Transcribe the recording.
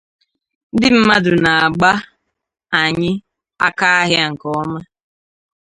Ndị mmadụ na-agba anyị akaahịa nke ọma